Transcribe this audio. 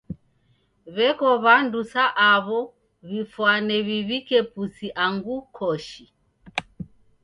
W'eko w'andu sa aw'o w'ifwane w'iw'ike pusi angu koshi.